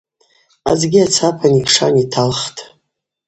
Адзгьи ацапан йкшан йталхтӏ.